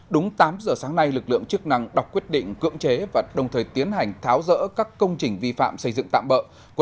đúng tám giờ sáng nay lực lượng chức năng đọc quyết định cưỡng chế và đồng thời tiến hành tháo rỡ các công trình vi phạm xây dựng tạm bợ